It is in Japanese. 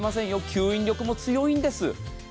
吸引力も強いんです。